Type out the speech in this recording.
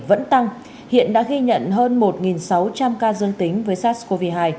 vẫn tăng hiện đã ghi nhận hơn một sáu trăm linh ca dương tính với sars cov hai